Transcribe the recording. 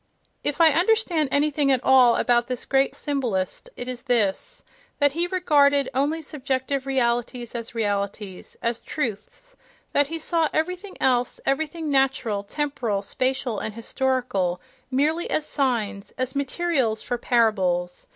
If I understand anything at all about this great symbolist, it is this: that he regarded only subjective realities as realities, as "truths" —that he saw everything else, everything natural, temporal, spatial and historical, merely as signs, as materials for parables.